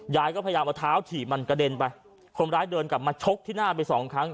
ยายก็พยายามเอาเท้าถีบมันกระเด็นไปคนร้ายเดินกลับมาชกที่หน้าไปสองครั้ง